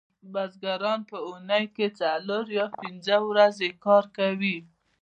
بزګران په اونۍ کې څلور یا پنځه ورځې کار کوي